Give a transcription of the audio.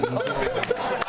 ハハハハ！